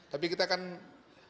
tapi kita kan paham